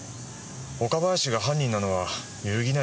岡林が犯人なのは揺るぎない事実ですよ。